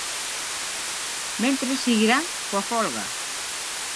Mentres seguirán coa folga.